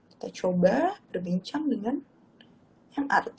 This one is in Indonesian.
kita coba berbincang dengan mrt